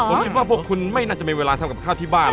ผมคิดว่าพวกคุณไม่น่าจะมีเวลาทำกับข้าวที่บ้าน